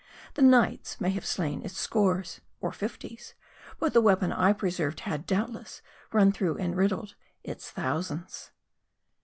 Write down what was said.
The knight's may have slain its scores, or fifties ; but the weapon I preserved had, doubtless, run through and riddled its thousands.